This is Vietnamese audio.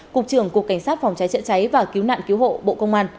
cục trưởng cục cảnh sát phòng cháy chữa cháy và cứu nạn cứu hộ bộ công an